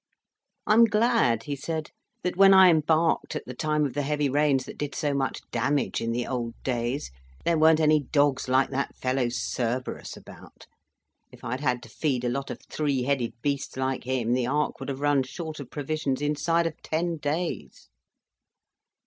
"I'm glad," he said, "that when I embarked at the time of the heavy rains that did so much damage in the old days, there weren't any dogs like that fellow Cerberus about. If I'd had to feed a lot of three headed beasts like him the Ark would have run short of provisions inside of ten days."